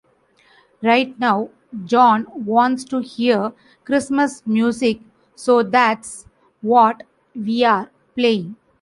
Right now John wants to hear Christmas music so that's what we're playing.